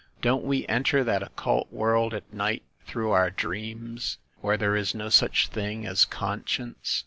Don't we en ter that occult world at night through our dreams, where there is no such thing as conscience?